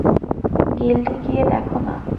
গিল্ডে গিয়ে দেখো না।